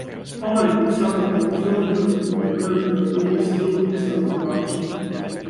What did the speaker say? Avalikuks saanud korruptsioonijuhtumid on mõjutanud inimeste suhtumist altkäemaksu.